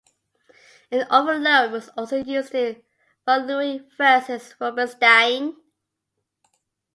An overload was also used in Rotlewi versus Rubinstein.